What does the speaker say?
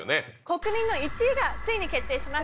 国民の１位がついに決定します。